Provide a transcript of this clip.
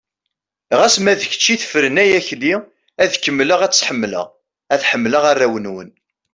Ɣas ma d kečč i tefren ay Akli, ad kemmleɣ ad tt-ḥemmleɣ, ad ḥemmleɣ arraw-nwen.